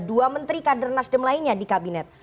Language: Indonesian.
dua menteri kader nasdem lainnya di kabinet